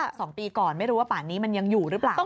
๒ปีก่อนไม่รู้ว่าป่านนี้มันยังอยู่หรือเปล่า